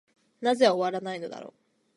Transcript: なぜ終わないのだろう。